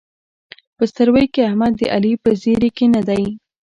په ستروۍ کې احمد د علي په زېري کې نه دی.